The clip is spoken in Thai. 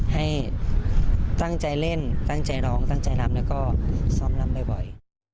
ให้ตั้งใจเล่นตั้งใจร้องตั้งใจรำแล้วก็ซ้อมลำบ่อย